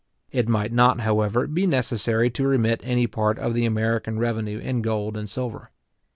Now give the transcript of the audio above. It might not, however, be necessary to remit any part of the American revenue in gold and silver.